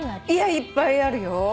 いやいっぱいあるよ。